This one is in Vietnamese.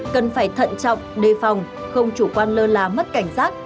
cần phải thận trọng đề phòng không chủ quan lơ là mất cảnh giác